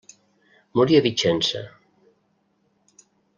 Morí a Vicenza.